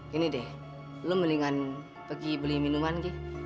gini deh lu mendingan pergi beli minuman